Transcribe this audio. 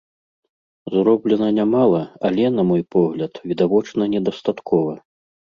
Зроблена нямала, але, на мой погляд, відавочна недастаткова.